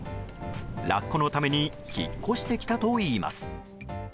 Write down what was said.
ラッコのために引っ越してきたといいます。